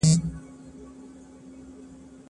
دښمني به سره پاته وي کلونه